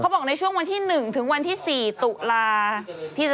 ไม่เหลือเหรอนั่นดิ